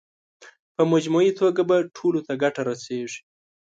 په مجموعي توګه به ټولو ته ګټه رسېږي.